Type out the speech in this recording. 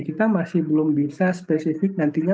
kita masih belum bisa spesifik nantinya